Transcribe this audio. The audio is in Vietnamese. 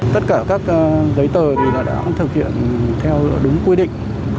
tất cả các giấy tờ đã thực hiện theo đúng quy định